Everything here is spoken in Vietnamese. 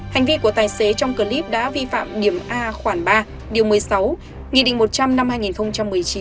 hành vi của tài xế trong clip đã vi phạm điểm a khoảng ba điều một mươi sáu nghị định một trăm linh năm hai nghìn một mươi chín